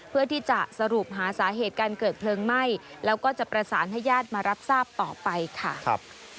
เพื่อที่จะสรุปหาสาเหตุการเกิดเพลิงไหม้แล้วก็จะประสานให้ญาติมารับทราบต่อไปค่ะ